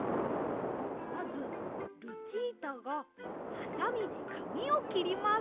まずルチータがハサミでかみをきります。